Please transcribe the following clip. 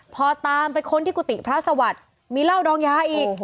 พอตามไปค้นที่กุฏิพระสวัสดิ์มีเหล้าดองยาอีก